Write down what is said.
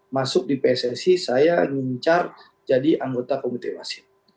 masuk di pssi saya ngincar jadi anggota komite wasit